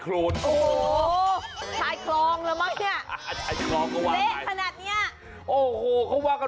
แล้วอันนี้ละคะ